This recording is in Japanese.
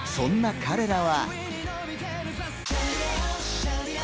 そんな彼らは。